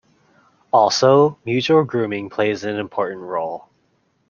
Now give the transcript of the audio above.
Also, mutual grooming plays an important role.